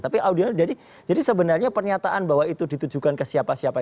tapi audio jadi sebenarnya pernyataan bahwa itu ditujukan ke siapa siapa